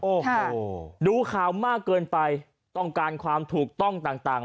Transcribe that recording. โอ้โหดูข่าวมากเกินไปต้องการความถูกต้องต่างต่าง